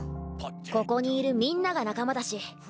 ここにいるみんなが仲間だし。